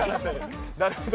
なるほど。